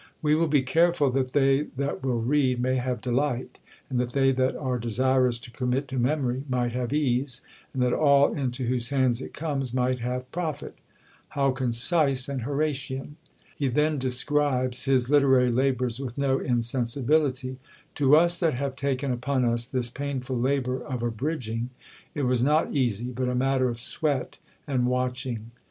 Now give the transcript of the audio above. We will be careful that they that will read may have delight, and that they that are desirous to commit to memory might have ease, and that all into whose hands it comes might have profit." How concise and Horatian! He then describes his literary labours with no insensibility: "To us that have taken upon us this painful labour of abridging, it was not easy, but a matter of sweat and watching."